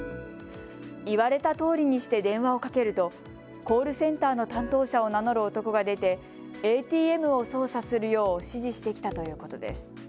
言われたとおりにして電話をかけるとコールセンターの担当者を名乗る男が出てＡＴＭを操作するよう指示してきたということです。